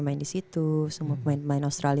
main di situ semua pemain pemain australia